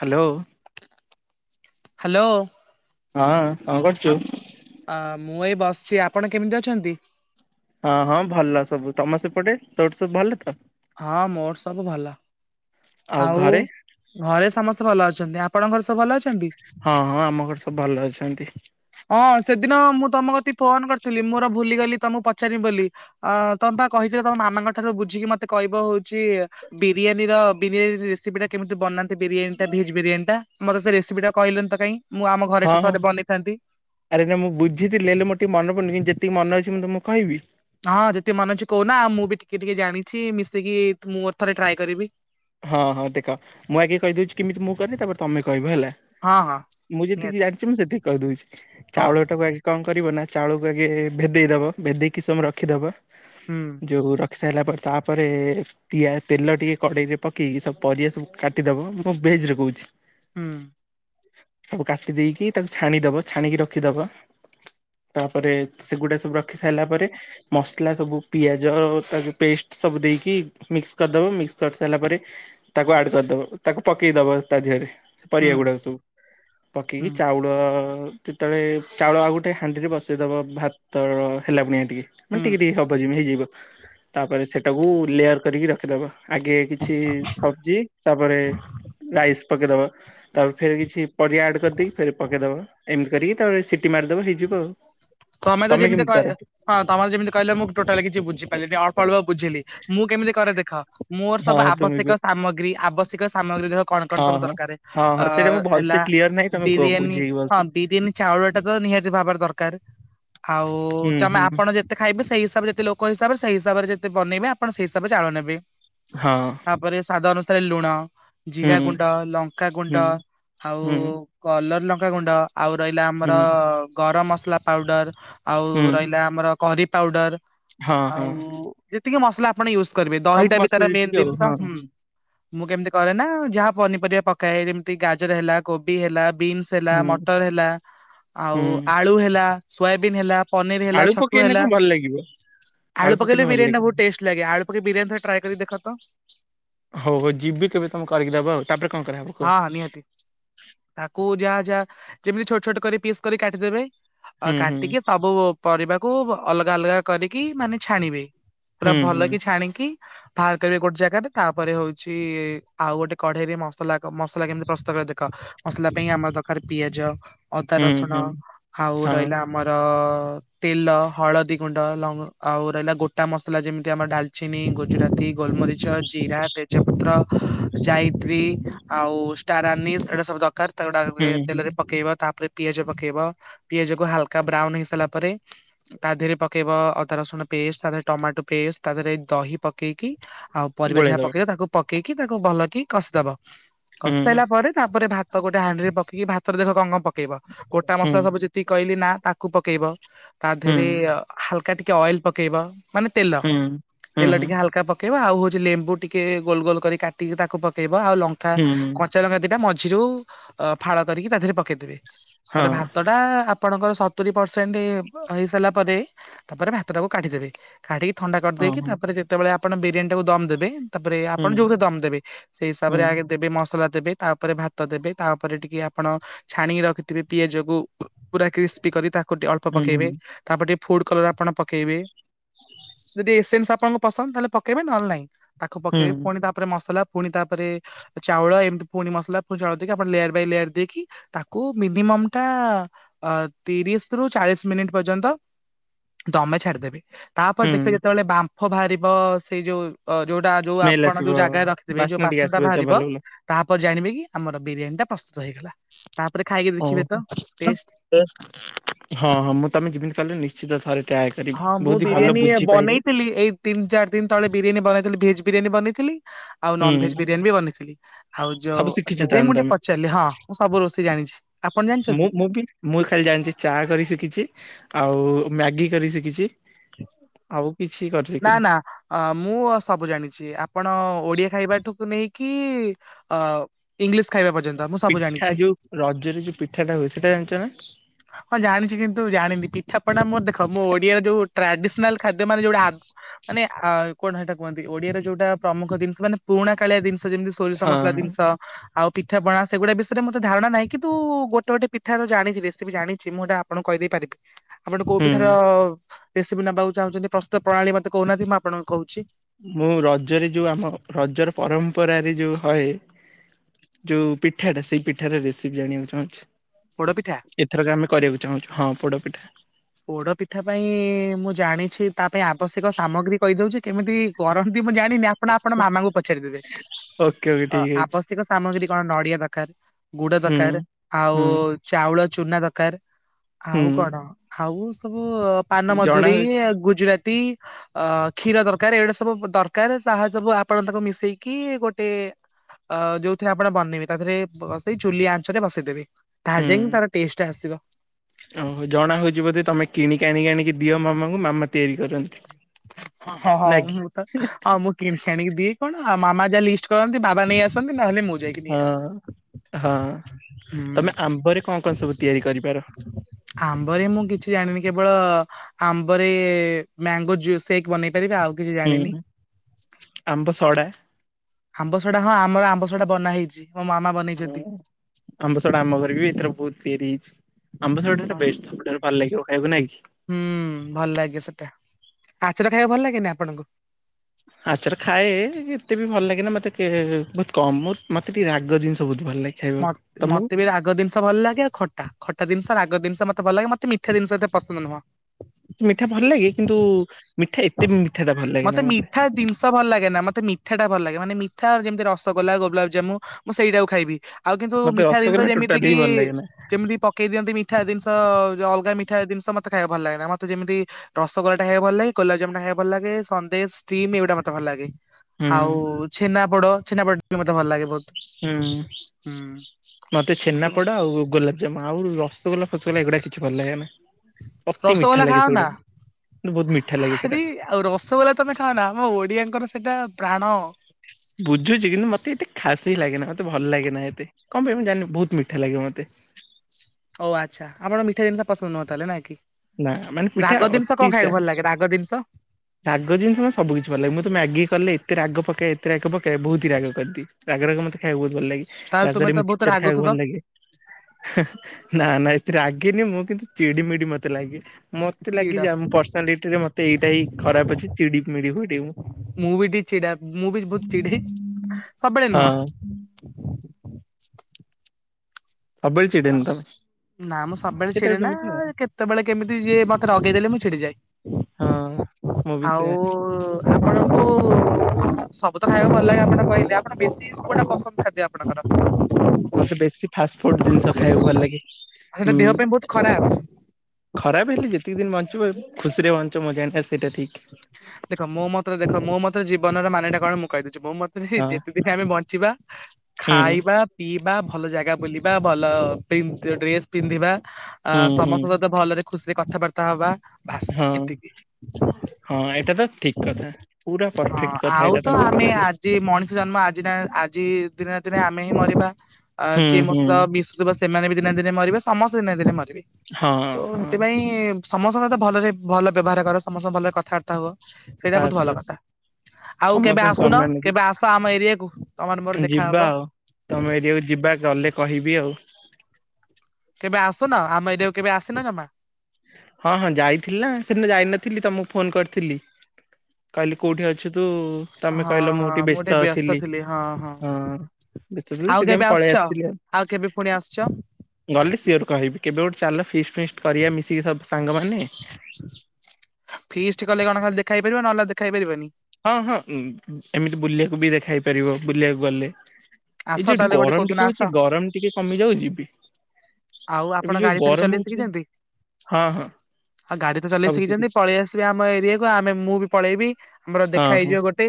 Hello. Hello. ହଁ କଣ ଆ କରୁଛୁ? ମୁଁ ଏଇ ବସିଛି ଆପଣ କେମିତି ଅଛନ୍ତି? ହଁ ହଁ ଭଲ ସବୁ ତମ ସେପଟେ ତୋର ସବୁ ଭଲ ତ? ହଁ ମୋର ସବୁ ଭଲ। ଆଉ ଘରେ ସମସ୍ତେ ଭଲ ଅଛନ୍ତି ଆପଣଙ୍କ ଘରେ ସବୁ ଭଲ ଅଛନ୍ତି? ହଁ ହଁ ଆମ ଘର ସବୁ ଭଲ ଅଛନ୍ତି। ହଁ ସେଦିନ ମୁଁ ତମ କତି ଫୋନ କରିଥିଲି ମଁର ଭୁଲିଗଲି ତମକୁ ପଚାରିବି ବୋଲି ଅ ତମ ପା କହିଥିଲେ ତମ ମାମାଙ୍କ ଠାରୁ ବୁଝିକି ମତେ କହିବ ହ ବିରିୟାନୀ ର ବିରିୟାନୀ ରେସିପି ଟା କେମିତି ବନାନ୍ତି ବିରିୟାନୀ ଟା ଭେଜ ବିରିୟାନୀ ଟା? ମୋତେ ସେ ରେସିପି ଟା କହିଲନି ତ କାଇହିଁ ମୁଁ ଆମ ଘରେ ହଁ ଟେ ହଁ ଥରେ ବନେଇଥାନ୍ତି। ଆରେ ମୁଁ ବୁଝିଥିଲି ହେଲେୋ ଟିକେ ମନ ପଡ଼ନି କି ଯେତିକି ମନ ଅଛି ମୁଁ ତଁ କହିବି? ହଁ ଯେତିକି ମନେ ଅଛି କହୁନା ମୁଁ ବି ଟିକେ ଟିକେ ଜାଣିଛି ମିଶିକି ମୁଁ ଥରେ ଟ୍ରାଏ କରିବି। ହଁ ହଁ ଦେଖ ମୁଁ ଆଜ୍ଞା କହିଦଉଛି କେମିତି ମୁଁ କରିନି ତାପରେ ତମେ କହିବ ହେଲା। ହଁ ହଁ ମୁଁ ଯେତିକି ନିହାତି ଜାଣିଛି ମୁଁ ସେତିକି କହିଦଉଛି ହଁ ଚାଉଳଟାକୁ ଆ କଣ କରିବନା ଚାଉଳକୁ ଆଗେ ଭେଦେଇ ଦବ ଭେଦେଇ କିଛିସମୟ ରଖିଦବ ହୁଁ। ଯୋଉ ସାରିଲା ପରେ ତାପରେଆ ତେଲ ଟିକିଏ କଡେଇରେ ପକେଇକି ସବୁ ପରିବା ସବୁ କାଟିଦେବ ମୁଁ ମୁଁ ଭେଜ୍ରରେ କହୁଛି ହୁଁ। ତାବୁ କାଟି ଦେଇକି ତାକୁ ଛାଣିଦବ ଛାଣିକି ରଖିଦବ ତାପରେ ସେଗୁଡା ସବୁ ରଖି ସାରିଲା ପରେ ମସଲା ସବୁ ପିଆଜ ତା ପେଷ୍ଟ ସବୁ ଦେଇକି ମିକ୍ସ କରିଦବ ମିକ୍ସ କରି ସାରିଲା ପରେ ତାକୁ ଆଡ କରିଦବ ତାକୁ ପକେଇଦବ ତା ଦେହରେ। ସେ ହୁଁ ପରିବା ଗୁଡାକ ସବୁ ପକେଇକି ହୁଁ ଚାଉଳ ଚାଉଳ ଯେତେବେଳେ ଚାଉଳ ଆଉ ଗୋଟେ ହାଣ୍ଡିରେ ବସେଇଦେବ ଭାତ ହେଲା ପୁଣିଆ ଟିକେ। ମାନେ ହୁଁ ଟିକେ ଟିକେ ହବ ଯେିମ ହେଇଯିବ ତାପରେ ସେଟାକୁ ଲେୟର କରିକି ରଖିଦବା ଆଗେ କିଛି ସବଜି ତାପରେ ରାଇସ୍ ପକେଇଦବା ତାପରେ ଫେର କିଛି ପରିବା ଆଡ କରିଦେଇକି ଫେର ପକେଇଦବ ଏମିତି କରିକି ତାରେ ସିଟି ମାରିଦବ ହେଇଯିବ ଆଉ ତମେ ତ ଯେମିତି କେମିତି କ କର ହଁ ତମେ ତ ଯେମିତି କହିଲେ ମୁଁ ଟୋଟାଲି କିଛି ବୁଝି ପାରିଲିନି ଅଲ୍ପ ଅଲ୍ପ ବୁଝିଲି ମୁଁ କେମିତି କରେ ଦେଖ ମୋର ସବୁ ହଁ ତୁମେ ଆବଶ୍ୟକ କୁହ ସାମଗ୍ରୀ ଆବଶ୍ୟକ ସାମଗ୍ରୀ ଦେଖ କଣ କଣ ହଁ ସବୁ ହଁ। ଦରକାର ହଁ ଅ ହଁ ସେଇଟା ମୁଁ ଭଲସେ ହେଲା କ୍ଲିୟର ନାହିଁ ତମେ କୁହ ବିରିୟାନୀ ବୁଝେଇକି ହଁ ଭଲସେ ବିରିୟାନୀ? ଚାଉଳ ଟା ତ ନିହାତି ଭାବରେ ଦରକାର ଆଉ ହୁଁ ତମେ ହୁଁ ଆପଣ ଯେତ- ତ ଖାଇବେ ସେଇହିସାବରେ ଯେତେ ଲୋକ ହିସାବ ସେଇ ହିସାବରେ ଯେତେ ବନେଇବେ ଆପଣ ସେଇ ହିସାବରେ ଚାଉଳ ନେବେ। ହଁ। ତାପରେ ସ୍ଵାଦ ଅନୁସାରେ ଲୁଣ ହୁଁ ଜିରା ଗୁଣ୍ଡ ଲଙ୍କାଗୁଣ୍ଡ ହୁଁ ଆଉ ହୁଁ କଲର ଲଙ୍କାଗୁଣ୍ଡ ଆଉ ରହିଲା ହୁଁ ଆମର ଗରମ ମସଲା ପାଉଡର ଆଉ ହୁଁ ରହିଲା ଆମର କରି ପାଉଡର ହଁ ଆଉ ହଁ। ଯେତିକି ମସଲା ଆପଣ ୟୁଜ କରିବେ ସବୁ ଦହିଟା ବି ମସଲା ତାର ମେନ୍ ଯେତିକି ଆଉ ଜିନିଷ ହଁ ହୁଁ। ମୁଁ କେମିତି କରେ ନା ଯାହା ପନିପରିବା ପକା ଯେମିତି ଗାଜର ହେଲା କୋବି ହେଲା ବିନ୍ସ ହେଲା ହୁଁ ମଟର ହେଲା ଆଉ ହୁଁ ଆଳୁ ହେଲା ସୋୟାବିନ ହେଲା। ପନିର ହେଲା ଆଳୁ ଛତୁ ପକେଇଲେ ହେଲା କଣ ଭଲ ଲାଗିବ। ଆଳୁ ପକେଇଲେ ବିରିୟାନୀ ଟା ବହୁତ ଟେଷ୍ଟ କି ଲାଗେ ଆଳୁପକେଇକି ବିରିୟାନି ଟ୍ରାଏ କରିକି ଦେଖ ତ ହଉ ହଉ ଯିବି କେବେ ତମେ କରିକି ଦବ ଆଉ? ତାପରେ କଣ କରାହେବ? ହଁ ନିହାତି ତାକୁ ଯାହା ଯାହା ଯେମିତି ଛୋଟ ଛୋଟ କରି ପିସ୍ କରି କାଟିଦେବେ। ଆ ହୁଁ ହୁଁ କାଟିକି ସବୁ ପରିବାକୁ ଅଲଗା ଅଲଗା କରିକି ମାନେ ଛାଣିବେ। ପୁରା ହୁଁ ଭଲ ହୁଁ କି ଛାଣିକି। ବାହାର କରିବେ ଗୋଟେ ଜାଗାରେ ତାପରେ ହଉଛି ଆଉ ଗୋଟେ କଢେଇରେ ମସଲା ମସଲା କେମିତି ପ୍ରସ୍ତୁତ କରିବେ ଦେଖ ମସଲା ପାଇଁ ଆମର ଦରକାର ପିଆଜ ଅଦ ହୁଁ ରସୁଣ ହୁଁ ଆଉ ହଁ ରହିଲା ଆମର ତେଲ ହଳଦୀ ଗୁଣ୍ଡ ଲ ଆଉ ରହିଲା ଗୋଟା ମସଲା ଯେମିତି ଆମର ଡାଲ ଚିନି ଗୁଜୁରାତି ଗୋଲମରିଚ ଜିରା ତେଜପତ୍ର ଯାଇତ୍ରୀ ଆଉ ଷ୍ଟାରାନିସ ସେଇଟା ସବୁ ଦରକାର ତା ଗୁଡା ହୁଁ ତେଲ ହୁଁ ରେ ପକେଇବ ତାପରେ ପିଆଜ ପକେଇବ ପିଆଜ କୁ ହାଲକା ବ୍ରାଉନ ହେଇ ସାରିଲା ପରେ ତା ଦେହରେ ପକେଇବ ଅଦା ରସୁଣ ପେଷ୍ଟ ତା ଦେହରେ ଟମାଟୋ ପେଷ୍ଟ ତା ଦେହରେ ଦହି ପକେଇ ପକେଇକି ଆଉ ପରିବା ଯାହା ଗୋଳେଇଦବ ପକେଇବ ତାକୁ ପକେଇକି ତାକୁ ଭଲକି କଷିଦବ। କଷି ହୁଁ। ସାରିଲା ପରେ ତାପରେ ଭାତ ଗୋଟେ ହାଣ୍ଡିରେ ପକେଇକି ଭାତରେ ଦେଖ କଣ କଣ ପକେଇବ ଗୋଟା ମସଲା ସବୁ। କହିଲି ନା ତାକୁ ପକେଇବ ତା ଦେହରେ ହାଲକା ଟିକେ ଅଏଲ ପକେଇବ। ମାନେ ତେଲ ତେଲ ଟିକେ ହାଲକା ପ ପକେଇବ ଆଉ ହଉଛି ଲେମ୍ବୁ ଟିକେ ଗୋଲ ଗୋଲ କରି କାଟିକି ତାକୁ ପକେଇବା ଆଉ ଲଙ୍କା ଚାଲଙ୍କାତିଟା ମଝିରୁ ଫାଳ କରିକି ତା ଦେହରେ ପକେଇଦେବେ ତାରେ ଭାତଟା ଆପଣଙ୍କର ସତୁରି ପରସେଣ୍ଟ ହେଇ ସାରିଲା ପରେ ତାପରେ ଭାତଟାକୁ କାଢି ଦେବେ। କାଢ଼ିକି ଥଣ୍ଡା କରିଦେଇକି ତାପରେ ଯେତେବେଳେ ଆପଣ ବିରିୟାନୀଟାକୁ ଦମ୍ ଦେବେ। ତାପରେ ଆପଣ ହୁଁ, ଯୋଉଥିରେ ଦମ ଦେବେ ସେଇ ହିସାବରେ ହୁଁ, ଆଗ ଦେବେ ମସଲା ଦେବେ ତାପରେ ଭାତ ଦେବେ ତାପରେ ଟିକେ ଆପଣ ଛାଣିକି ରଖିଥିବେ ପିଆଜକୁ ପୁରା କ୍ରିସ୍ପି କରି ତାକୁ ଟିକ ଅଳ୍ପ ହୁଁ, ପକେଇବେ ହୁଁ, ତାପରେ ଟିକେ ଫୁଡ କଲର ଆପଣ ପକେଇବେ। ଯଦି ଏସେନ୍ସ ଆପଣଙ୍କୁ ପସନ୍ଦ ତାହେଲେ ପକେଇବେ ନହେଲେ ନାହିଁ। ତାକୁ ପକେଇବେ ହୁଁ, ପୁଣି ତାପରେ ମସଲା ପୁଣି ତାପରେ ଚାଉଳ ଏମିତି ପୁଣି ମସଲା ପୁଣି ଚାଉଳ ଦେଇକି ଆପଣ ଲେୟାର ବାଇ ଲେୟାର ଦେଇକି ତାକୁ ମିନିମମ ଟା ଅ ତିରିଶ ରୁ ଚାଳିଶ ମିନିଟ୍ ପର୍ଯ୍ୟନ୍ତ ତମେ ଛାଡିଦେବେ। ତାପରେ ଦେଖ ହୁଁ, ଯେତେବେଳେ ବାମ୍ଫ ବାହାରିବ ସେଇ ଯୋଉ ଅ ଯୋଉଟା ଯୋଉ ସ୍ମେଲ୍ ଆପଣ ଆସିବ, ଯୋଉ ଜାଗାରେ ରଖିଥିବେ ଏ ଯୋଉ ବାସ୍ନା ଟିକେ ଆସିବ ବାସ୍ନାଟା ଏଇଟା ଭଲ ବାହାରିବ। ଭଲ। ତାପରେ ଜାଣିବେ କି ଆମର ବିରିୟାନୀ ଟା ପ୍ରସ୍ତୁତ ହେଇଗଲା ତାପରେ ଖା ଓ ସେ ହଁ ହଁ ମୁଁ ତମେ ଯେମିତି କିଲ ନିଶ୍ଚିତ ଥରେ ଟ୍ୟା କରିବି ହଁ ମୁଁ ବହୁତ ହି ଭଲ ବିରିୟାନୀ ବୁଝ ବନେଇଥିଲି ଏଇ ତିନ୍ ଚାର୍ ଦିନ ତଳେ ବିରିୟାନୀ ବନେଇଥିଲି ଭେଜ୍ ବିରିୟାନୀ ବେଇଥିଲି ଆଉ ହୁଁ, ନନଭେଜ୍ ବିରିୟାନୀ ବି ବନେଇଥିଲି। ସବୁ ଶିଖିଛ ସେଇଥିପାଇଁ ତାହେଲେ ମୁଁ ଟିକେ ତମେ। ପଚାରିଲି ହଁ ମୁଁ ସବୁ ରୋଷେଇ ଜାଣିଛି। ଅ ଆପଣ ମୁଁ ଜାଣିଛନ୍ତି? ମୁଁ ବି ମୁଁ ଖାଲି ଜାଣିଚି ଚା କରି ଶିକିଚି ଆଉ ମ୍ୟାଗି କରି ଶିକିଚି। ଆଉ କିଛି କର୍ ନାଁ ନାଁ ଅ ମୁଁ ସବୁ ଜାଣିଛି ଆପଣ ଓଡ଼ିଆ ଖାଇବାଠୁକୁ ନେଇକି ଅ ଇଂଲିଶ୍ ଖାଇବା ପ ପିଠା ଯୋଉ ରଜରେ ଯୋଉ ପିଠାଟା ହୁଏ ସେଟା ଜାଣିଚ ନାଁ? ହଁ ଜାଣିଛି କିନ୍ତୁ ଜାଣିିନି ପିଠାପଣା ମୋର ଦେଖ ମୋ ଓଡ଼ିଆର ଯୋଉ ଟ୍ରାଡିସନାଲ୍ ଖାଦ୍ୟ ମାନେ ଯୋଉଟା ଆ ମାନେ ଆ କଣ ହେଟା କୁହନ୍ତି ଓଡ଼ିଆର ଯୋଉଟା ପ୍ରମୁଖ ଦିନିଷ ମାନେ ପୁରୁଣା କାଳିଆ ଦିନିଷ ଯେମିତି ଷୋରିଷ ହଁ, ମସଲା ହଁ, ଦିନଷ। ଆଉ ପିଠା ପଣା ସେଗୁଡ଼ା ବିଷୟରେ ମତେ ଧାରଣା ନାହିଁ କିନ୍ତୁ ଗୋଟେ ଗୋଟ ପିଠା ତ ଜାଣିଚି ବେଶ୍ ତେ ବି ଜାଣିଛି ମୁଁ ଏଟା ଆପଣୁ କହିଦେଇ ପାରିବି ଆପଟେ କୋଉ ହୁଁ। ପିଠାର ଏ ସବୁ ନବାକୁ ଚାହୁଁଚନ୍ତି ପ୍ରସ୍ତୁତ ପ୍ରଣାଳୀ ମତେ କହୁହାନ୍ତି ମୁଁ ଆପଣଙ୍କୁ କହୁଚି। ମୁଁ ରଜରେ ଯୋଉ ଆମ ରଜର ପରମ୍ପରାରେ ଯୋଉ ହଏ ଯୋଉ ପିଠାଟା ସେଇ ପିଠାର ରେସିପି ଜାଣିବାକୁ ଚାହୁଁଚି। ପୋଡ଼ପିଠା? ଏଥରକ ଆମେ କରିବାକୁ ଚାହୁଁଚୁ ହଁ ପୋଡ଼ପିଠା। ପୋଡ଼ପିଠା ପାଇଁ ମୁଁ ଜାଣିଛି ତା ପାଇଁ ଆବଶ୍ୟକ ସାମଗ୍ରୀ କହିଦଉଛି କେମିତି କରନ୍ତି ମୁଁ ଜାଣିନି ଆପଣ ଆପଣ ମାମାଙ୍କୁ ପଚାରିଦେବେ ଓକେ ଓକେ ଅ ଠିକ ଅଛି ଆବଶ୍ ତିକ ସାମଗ୍ରୀ କଣ ନଡ଼ିଆ ଦରକାର ଗୁଡ଼ ହୁଁ ଦରକାର ଆଉ ହୁଁ ଚାଉଳ ଚୁନା ଦରକାର ହୁଁ ଆଉ କଣ ଆଉ ସବୁ ପାନ ଜଣା ମଧୁରୀ, ହଉ ଗୁଜୁରାତି। ଅ କ୍ଷୀର ଦରକାର ଏଉଡ଼ା ସବୁ ଦରକାର ତାହା ସବୁ ଆପଣ ତାଙ୍କୁ ମିଶେଇକି ଗୋଟେ ଅ ଯୋଉଥିରେ ଆପଣ ବନେଇବେ ତାଧେରେ ବସେଇ ଚୁଲି ଆଞ୍ଚରେ ବସେଇଦେବେ। ତାହାଲେ ହୁଁ ଯାଇଁକି ତାର ଟେଷ୍ଟେ ଆସିବ। ଓହୋ ଜଣା ହଉଚି ବୋଧେ ତମେ କିଣିକି ଆଣିକି ଆଣିକି ଦିଅ ମାମାଙ୍କୁ ମାମା ତିଆରି କରନ୍ତି। ହଁ ହଁ ନା କି ମୁଁ ତ ହଁ ମୁଁ କିଣିି ଆଣିକି ଦିଏ କଣ ଆ ମାମା ଯାହା ଲିଷ୍ଟ କରନ୍ତି ବାବା ନେଇ ଆସନ୍ତି ନହେଲେ ମୁଁ ଯାଇ ହଁ ହଁ ହୁଁ। ତମେ ଆମ୍ବରେ କଣ କଣ ସବୁ ତିଆରି କରିପାର? ଆମ୍ବରେ ମୁଁ କିଛି ଜାଣିନି କେବଳ ଆମ୍ବରେ ମ୍ୟାଙ୍ଗୋ ଜୁସ୍ ସେକ୍ ବନେଇ ପାରିବି ତ ଆଉ କିଛି ଜାଣିନି। ହୁଁ ଆମ୍ବ ସଡ଼ା। ଆମ୍ବସଡ଼ା ହଁ ଆମର ଆମ୍ବସଡ଼ା ବନା ହେଇଚି। ହଁ ଆମ୍ବସଡ଼ା ଆମ ଘରେ ବି ଏଇଥର ବୋହୁତ ତିଆରି ହେଇଚି। ଆମ୍ବସଡ଼ା ହେଟା ବେଷ୍ଟ୍ ସବୁଠାରୁ। ଭଲ ଲାଗିବ ଖାଇବାକୁ, ନାଁ କି? ହୁଁ ଭଲ ଲାଗେ ସେଟା ଆଚାର ଖାଇବାକୁ ଭଲ ଲାଗେନି ଆପଣଙ୍କୁ? ଆଚାର ଖାଏ ଏତେ ବି ଭଲ ଲାଗେନା ମତେ କେ ବହୁତ କମ୍ ମୋ ମତେ ଟିକେ ରାଗ ଜିନିଷ ବୋହୁତ ଭଲ ଲା ମ ମତେ ବି ରାଗ ଦିନ୍ ଥ ଭଲ ଲାଗେ ଆଉ ଖଟା। ଖଟା ଦିନିଷ ରାଗ ଦିନିଷ ମତେ ଭଲ ଲାଗେ। ମତେ ମିଠା ଦିନିଷ ଏତେ ପସନ୍ଦ ନୁହଁ। ମିଠା ଭଲ ଲାଗେ କିନ୍ତୁ ମିଠା ଏତେ ବି ମିଠାଟା ଭଲ ଲାଗେ ନା ମତେ। ମିଠା ଜିନିଷ ଭଲ ଲାଗେ ନା ମତେ ମିଠାଟା ଭଲ ଲାଗେ ମାନେ ମିଠା ଆଉ ଯେମିତି ରସଗୋଲା ଗୋବଲାଜାମୁ ମୁଁ ସେଇଟାକୁ ଖାଇବି। ଆଉ କିନ୍ତୁ ମତେ ମିଠା ଜିନିଷ ରସଗୋଲା ଯେମିତି ଟୋଟାଲି କି ବି ଭଲ ଲାଗେନା ଯେମିତି ପ କେଇ ଦିଅନ୍ତି ମିଠା ଜିନିଷ ଯୋ ଅଲଗା ମିଠା ଜିନିଷ ମତେ ଖାଇବା ଭଲ ଲାଗେନା ମତେ ଯେମିତି ରସଗୋଲାଟା ହାଇଆଉ ଭଲ ଲାଗେ କୋଲାପଜାମୁଟା ହାଇଆ ଭଲ ଲାଗେ ସନ୍ଦେଶ ଷ୍ଟିମ୍ ଏଉଡ଼ା ମତେ ଭଲ ଲାଗେ। ହୁଁ ଆଉ ଛେନାପୋଡ଼ ଛେନାପୋଡ଼ ମତେ ଭଲ ଲାଗେ। ବହୁତ ହୁଁ ହୁଁ। ମତେ ଛେନାପୋଡ଼ ଆଉ ଗୋଲାପ ଜାମୁ ଆଉ ରସଗୋଲା ଫସଗୋଲା ଏଗୁଡ଼ା କିଛି ଭଲ ଲାଗେନା। ଅତି ମିଠା ରସଗୋଲା ଲାଗେ ଖାଅ ନା ସେଗୁଡ଼ାକ କିନ୍ତୁ ବହୁତ ମିଠା ଲାଗେ ସେଟା। ଆରେ ଆଉ ରସଗୋଲା ତମେ ଖାଅନା ମୋ ଓଡ଼ିଆଙ୍କର ସେଟା ପ୍ରାଣ। ବୁଝୁଚି କିନ୍ତୁ ମତେ ଏତେ ଖାସ ହିଁ ଲାଗେନାମତେ ଭଲ ଲାଗେନା ଏତେ। କଁ ପାଇଁ ମୁଁ ଜାଣିନି ବହୁତ ମିଠା ଲାଗେ ମତେ। ହଉ ଆଚ୍ଛା ଆପଣ ମିଠା ଜିନିଷ ପସନ୍ଦ ନୁହଁ ତାହେଲେ ନାଁ କି ନା ମାନେ ପିଠା ରାଗ ଦିନିଷ କଣ ଅତିଟା ଖାଇବା ଭଲ ଲାଗେ ରାଗ ଦିନିଷ? ରାଗ ଜିନିଷ ମତେ ସବୁ କିଛି ଭଲ ଲାଗେ ମୁଁ ମ୍ୟାଗି କଲେ ଏତେ ରାଗ ପକାଏ ଏତେ ରାଗ ପକାଏ ବହୁତ ରାଗ କରିଦିଏ। ରାଗ ରାଗ ମତେ ଖାଇବାକୁ ବହୁତ ଭଲ ଲାଗେ ତାହେଲେ ତୁମେ ତ ରାଗରେ ବହୁତ ମିକ୍ସଚର ଖାଇବାକୁ ରାଗୁଥିବ ଭଲ ଲାଗେ। ନା ନା ଏତେ ରାଗିନି ମୁଁ କିନ୍ତୁ ଚିଡ଼ି ମିଦି ମତେ ଲାଗେ। ମତେ ଚିଡ ଲାଗିଯା ମୋ ପର୍ସନାଲିଟିରେ ମତେ ଏଇଟା ହିଁ ଖରାପ ଅଛି ଚିଡି ମିଡି ଫିଡି ମୁଁ। ମୁଁ ବି ଟିକେ ଚିଡ଼ା ମୁଁ ଭିି ବହୁତ ଚିଢ଼େ। ସବୁବେଳେ ନୁହଁ। [inaudible] କିଡିନ୍ ତମେ। ନା ମୁଁ ସବୁବେଳେ କେତେବେଳେ ଛିଡ଼େନା କେମିତି ଆଉ କେତେବେଳେ କେମିତି ଯିଏ ମତେ ରଗେଇଦେଲେ ମୁଁ ଚିଡ଼ି ଯାଏ। ହଁ ମୁଁ ବି ସେୟା। ଆପଣଙ୍କୁ ସବୁ ତ ଖାଇବାକୁ ଭଲ ଲାଗେ ଆପଣ କହିଲେ ଆପଣ ବେଶୀଇସ୍ କଉଟା ପସନ୍ଦ ଖାଦ୍ୟ ଆପ୍ ମତେ ବେଶୀ ଫାଷ୍ଟ ଫୁଡ୍ ଜିନିଷ ଖାଇବାକୁ ଭଲ ଲାଗେ ସେଇଟା ହୁଁ। ଦେହ ପାଇଁ ବହୁତ ଖରାପ। ଖରାପ ହେଲେ ଯେତିକି ଦିନ ବଞ୍ଚିବ ଖୁସିରେ ବଞ୍ଚ ମଯା ନିଅ ସେଇଟା ଠିକ୍। ଦେଖ ମୋ ମତରେ ଦେଖ ମୋ ମତରେ ଜୀବନର ମାନେଟା କଣ ମୁଁ କହିଦଉଛି ମୋ ମ ରେହେ ହଁ ଯେତେ ଦିନି ଆମେ ବଞ୍ଚିବା ହୁଁ ଖାଇବା ପିଇବା ଭଲ ଜାଗା ବୁଲିବା ଭଲ ପିନ୍ ତ ଡ୍ରେସ୍ ପିନ୍ଧିବା। ଆ ହୁଁ ହୁଁ ସମସ୍ତଙ୍କ ସହିତ ଭଲରେ ଖୁସିରେ କଥାବାର୍ତ୍ତା ହବା। ବାସ୍ ହଁ ଏତିକି ହଁ ହେଇଟା ତ ଠିକ୍ କଥା ପୁରା ପର ହଁ ଆଉ ତ ଆମେ ଆଜି ମଣିଷ ଜନ୍ମ ଆଜି ନା ଆଜି ଦିନେ ନା ଦିନେ ଆମେ ହିଁ ମରିବା। ଆଉ ହୁଁ ଯିଏ ମୋ ହୁଁ ସହିତ ମିଶୁଥିବ ସେମାନେ ବି ଦିନେ ନା ଦିନେ ମରିବେ ସମସ୍ତେ ଦିନେ ନା ଦିନେ ମରିବେ। ହଁ ଶୋ ହଁ ହେଥିପାଇଁ ସମସ୍ତଙ୍କ ସହିତ ଭଲରେ ଭଲ ବ୍ୟବହାର କର ସମସ୍ତଙ୍କୁ ଭଲରେ କଥାବାର୍ତ୍ତା ହୁଅ। ସେଇଟା ବାସ୍ ବହୁତ ଭଲ ବାସ୍ କଥା। ଆଉ କେବେ ସମସ୍ତଙ୍କୁ ଆସୁନ ସମ୍ମାନ କେବେ ଆସ ଆମ ଏରିଆକୁୁ ତମର ମୋର ଦେଇ ଦେଖା ଯିବା ହବା। ଆଉ। ତମ ଏରିଆକୁ ଯିବା ଗଲେ କହିବି ଆଉ। କେବେ ଆଶୁନ ଆମ ଏରିଆକୁ କେବେ ଆସିନ ଜମା? ହଁ ହଁ ଯାଇଥିଲି ନା ସେଦିନ ଯାଇନଥିଲି ତମକୁ ଫୋନ୍ କରିଥିଲି। କହିଲି କୋଉଠି ଅଛୁ ତୁ ତମେ କହିଲ ହଁ ହଁ ମୁଁଟିକି ମୁଁ ଟିକେ ବ୍ୟସ୍ତ ଥିଲି ହଁ ହଁ। ବ୍ୟସ୍ତ ଥିଲୁ ଆଉ ସେଥିପାଇଁ କେବେ ମୁଁ ଆସୁଛ? ପଳେଇ ଆସିଥିଲି କେବେ ପୁଣି ଆଉ। ଆସୁଛ ଗଲେ ସିଓର କହିବି କେବେ ଗୋଟେ ଚାଲ ଫିଷ୍ଟି ଫିଷ୍ଟି କରିବା ମିଶିକି ସବୁ ସାଙ୍ଗମାନେ। ଫିଷ୍ଟି କଲେ କଣ ଖାଲି ଦେଖା ହେଇପାରିବ ନହେଲା ଆଉ ଦେଖା ହେଇପାରିବନି? ହଁ ହଁ ଏମିତି ବୁଲିବାକୁ ବି ଦେଖାହେଇପାରିବ ବୁଲିବାକୁ ଗଲେ। ଆସ ଏଇ ଯୋଉଠୁ ତାହେଲେ ଗୋଟେ ଗରମ କୋଉଦିନ ଆସ। ଟିକେହଉଚି ଗରମଟିକେ କମି ଯାଉ ଯିବି। ଆଉ ଏବେ ଆପଣ ଯୋଉ ଗାଡ଼ି ଫାଡ଼ି ଗରମ ଚଲେଇ ହଉଛି ଶିଖିଛନ୍ତି ହଁ ହଁ ଆଉ ଗାଡ଼ି ତ ଚଲେଇ ଭାବୁଛି ଶିଖିଛନ୍ତି କିଛି ପଳେଇଆସ ସିବେ ଆମ ଏରିଆକୁ ଆମେ ମୁଁ ବି ପଳେଇବି ଆମର ହଁ ଦେଖା ହଁ ହେଇଯିବ ଗୋଟେ।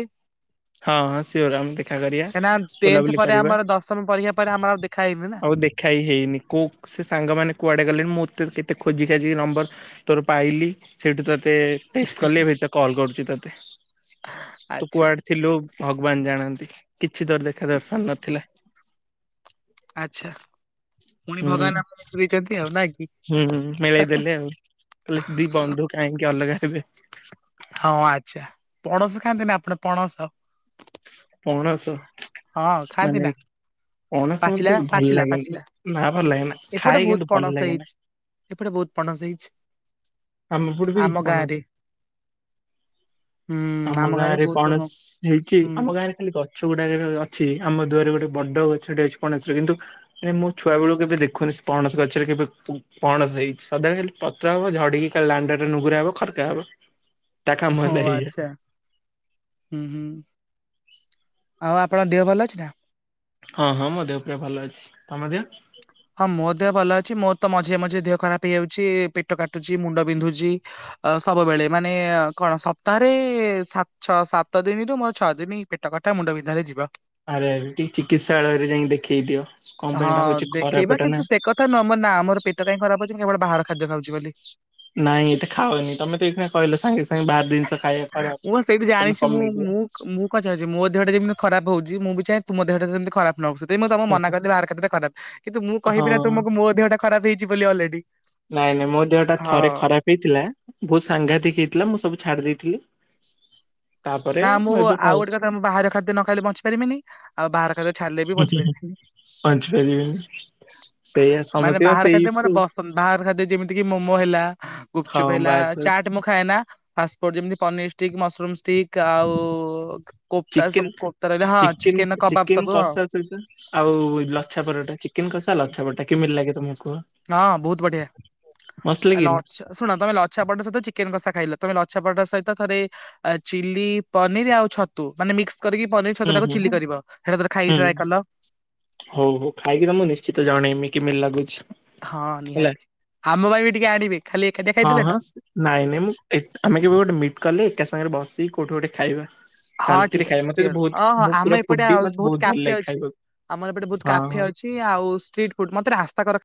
ହଁ ହଁ ସିଓର ଆମେ ଦେଖା କରିବା କାହିଁକିନା ଟେନ୍ଥ ବୁଲାବୁଲି ପରେ କରିବା ଆମର ଦଶମ ପରୀକ୍ଷା ପରେ ଆମର ଆଉ ଦେଖା ହେଇନି ନା। ଖାଇ ହେଇନି କୋ ସେସାଙ୍ଗମାନେ କୁଆଡ଼େ ଗଲେ ମୁଁ ତେ କେତେ ଖୋଜି ଖାଜିକି ନମ୍ବର ତୋର ପାଇଲି ସେଇଠୁ ତତେ ଫିଷ୍ଟି କଲି ଏବେ ତ କଲ କରୁଚି ତତେ ତୁ ଆଚ୍ଛା କୁଆଡେ ଥିଲୁ ଭଗ ବାନ ଜାଣନ୍ତି କିଛି ତୋର ଦେଖା ଦର୍ଶନ ନଥିଲା। ଆଚ୍ଛା। ପୁଣି ହୁଁ ଭଗବାନ ଆମକୁ ଦେଇଛନ୍ତି ଆଉ ନାଇଁ କି ହୁଁ ମେଳେଇଦଲେ ଆଉ। କହିଲି ଦି ବନ୍ଧୁ କାହିଁକି ଅଲଗା ହେବେ? ହଁ ଆଚ୍ଛା ପଣସ ଖାଆନ୍ତି ନା ଆପଣ ପଣସ ପଣସ। ହଁ ମାନେ ଖାଆନ୍ତି ନା। ପଣସ ମତେ ପାଚିଲା ଭଲ ପାଚିଲା ଲାଗେନି। ପାଚିଲା ନା ଭଲ ଲାଗେନା ଖାଏ ଏପଟେ କିନ୍ତୁ ବହୁତ ଭଲ ପଣସ ଲାଗେନା ହେଇଛି। ଏପଟେ ବହୁତ ପଣସ ହେଇଛି। ଆମ ଏପଟେ ବି ପଣସ। ହୁଁ ଆମ ଗାଁ ଗାଁରେ ରେ ବହୁତ ପଣ- ପଣସ ହେଇଛି ହୁଁ ଆମ ଗାଁରେ ଖାଲି ଗଛ ଗୁଡାକ ଅଛି ଆମ ଦୁଆରେ ଗୋଟେ ବଡ ଗଛଟେ ଅଛି ପଣସ କିନ୍ତୁ ହେଲେ ମୋ ଛୁଆ ବେଳକୁ କେବେ ଦେଖୁନି ପଣସ ଗଛରେ କେବେ ପଣସ ହେଇଛି ସଦାବେଳେ ପତ୍ର ଗୁଡାକ ଝଡିକି ଲଣ୍ଡା ଟା ନୁଗରେ ହବ ଖରକା ହବ। ତା କାମ ହଁ ହେଲା ଏଇଆ ଆଚ୍ଛା। ହୁଁ ହୁଁ ଆଉ ଆପଣଙ୍କ ଦେହ ଭଲ ଅଛି ନା। ହଁ ହଁ ମୋ ଦେବ ପ୍ରିୟା ଭଲ ଅଛି ତମ ଦେହ। ହଁ ମୋ ଦେହ ଭଲ ଅଛି ମୋର ତ ମଝିରେ ମଝିରେ ଦେହ ଖରାପ ହେଇଯାଉଛି ପେଟ କାଟୁଛି ମୁଣ୍ଡ ବିନ୍ଧୁଛି। ଅ ସବୁବେଳେ ମାନେ କଣ ସପ୍ତାହରେ ସାତ ଛଅ ସାତ ଦିନରୁୁ ମୋର ଛଅ ଦିନି ପେଟ କଟା ମୁଣ୍ଡ ବିନ୍ଧାରେ ଯିବ। ଆରେ ଆରେ ଟିକେ ଚିକିତ୍ସାଳୟ ରେ ଯାଇକି ଦେଖେଇ ଦିଅ କଣ ପାଇଁ ଏଇଟା ହଉଛି ଖରାପ ନା କିନ୍ତୁ ସେ କଥା ନୁହଁ ମୋ ନା ମୋର ପେଟ କାହିଁ ଖରାପ ହୋଉଛି ମୁ କେବଳ ବାହାର ଖାଦ୍ୟ ଖାଉଛି ବୋଲି। ନାଇଁ ଏତେ ଖାଉନି ତମେ ତ ଏଇଖିଣା କହିଲ ସାଙ୍ଗେ ସାଙ୍ଗେ ବାହାର ଜିନିଷ ଖାଇବା ଖରାପ୍। ମୁଁ ବା ସେଇଠି ତମେ ଜାଣିଛି ମୁଁ କମେଇ ଦିଅ। ମୁଁ ମୁଁ କଣ ଚାହୁଁଛି ମୋ ଦେହଟା ଯେମିତି ଖରାପ ହଉଛି ମୁଁ ବି ଚାହଁ ତମ ଦେହଟା ଯେମିତି ଖରାପ୍ ନ ହୋଉ ସେଥି ପାଇଁ ମୁଁ ତମ ମନା କରିଛି ବାହାର ଖାଦ୍ୟ ଖରାପ କିନ୍ତୁ ମୁଁ କହିବି ନା ହଁ ତୁମକୁ ମୋ ଦେହଟା ଖରାପ ହେଇଛି ବୋଲି ଆଲେଡୀ। ନାଇଁ ନାଇଁ ମୋ ଦେହଟା ଥରେ ଖରାପ ହେଇଥିଲା ବହୁତ ସାଂଘାତିକ ହେଇଥିଲା ମୁଁ ସବୁ ଛାଡି ଦେଇଥିଲି। ତାପରେ ନା ମୁଁ ଏବେ ଆଉ ଗୋଟେ ଖାଉଛି। କଥା ମୁଁ ବାହାର ଖାଦ୍ୟ ନ ଖାଇଲେ ବଞ୍ଚି ପାରିବେନି ଆଉ ବାହାର ଖାଦ୍ୟ ଛାଡିଲେ ବି ବଞ୍ଚି ପାରିବିନି। ବଞ୍ଚିପାରିବେନି ସେଇଆ ମାନେ ସମସ୍ତ ବା ବାହାର ଖାଦ୍ୟ ମୋର ସେଇସୁ ପସନ୍ଦ ବାହାର ଖାଦ୍ୟ ଯେମିତି କି ମୋମୋ ହେଲା ହଁ ଗୁପଚୁପ ହେଲା ବାସ୍ ବାସ୍ ଚାଟ ମ ଥାଏ ନା ଫାସ୍ଫୁଡ ଯେମତି ପନିର ଷ୍ଟିକ୍ ମସରୁମ ଷ୍ଟିକ ଆଉ କୋପ୍ତା ଚିକେନ ସବୁ କୋପ୍ତା ରହିଲେ ହଁ ଚିକେନ କବାବ ସବୁ ହଁ [unintelligible] ଆଉ ଲଛାପରଟା ଚିକେନ କଷା ଲଛା ପରଟା କେମିତି ଲାଗେ ତମକୁ କୁହ? ହଁ ବହୁତ ବଢ଼ିଆ ମସ୍ତ ଆଲ ଲାଗେନି ଛା ଶୁଣ ତମେ ଲଛା ପରଟା ସହିତ ଚିକେନ କଷା ଖାଇଲ ତମେ ଲଛା ପରଟା ସହିତ ଥରେ ଅ ଚିଲି ପନିର ଆଉ ଛତୁ ମାନେ ମିକ୍ସ କରିକ ପନିର ହୁଁ ଛତୁଟାକୁ ହୁଁ ହୁଁ ଚିଲି କରିବ ସେଟାଥରେ ଖାଇକି ହୁଁ ଟ୍ରାଏ କଲ। ହଉ ହଉ ଖାଇକି ତମକୁ ମୁଁ ନିଶ୍ଚିତ ଜଣେଇମି କିମିତି ଲାଗୁଛି। ହଁ ହେଲା। ନିହାତି ଆମ ପାଇଁ ବି ଟିକେ ଆଣିବେ। ଖାଲି ଏକାଟିଆ ହଁ ଖାଇଦେବେ ହଁ ନା। ଶ୍ ନାଇଁ ନାଇଁ ମୁଁ ଇଟ ଆମେ କେବେ ଗୋଟେ ମିଟ୍ କଲେ ଏକା ସାଙ୍ଗରେ ବସିିକ କୋଉଠି ଗୋଟେ ଖାଇବା। ହଁ ଶାନ୍ତିରେ ଠିକ୍ ଖାଏ ଅଛି ମତେ ତ ସିଅର୍ ଅ ବହୁତ ହ ମୁଁ ପୁରା ଆମ ଏପଟେ ଫୁଡି ମତେ ବହୁତ ଭଲ କାଫେ ଲାଗେ ଅଛି ଖାଇବାକୁ ଆମର ଏପଟେ ବହୁତ ହଁ କାଫେ ହଁ। ଅଛି। ଆଉ ଷ୍ଟ୍ରୀଟ ଫୁଡ଼ ମତେ ରାସ୍ତା କର